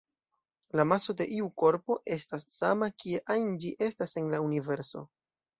La maso de iu korpo estas sama kie ajn ĝi estas en la universo.